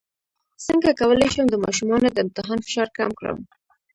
څنګه کولی شم د ماشومانو د امتحان فشار کم کړم